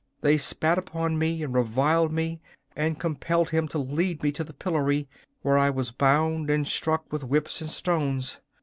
They spat upon me and reviled me, and compelled him to lead me to the pillory, where I was bound and struck with whips and stones.